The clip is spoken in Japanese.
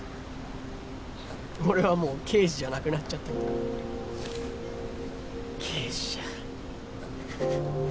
俺はもう刑事じゃなくなっちゃったけど